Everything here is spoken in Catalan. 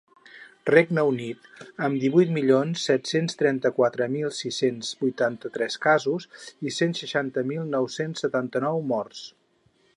Regne Unit, amb divuit milions set-cents trenta-quatre mil sis-cents vuitanta-tres casos i cent seixanta mil nou-cents setanta-nou morts.